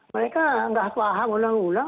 mereka nggak paham ulang ulang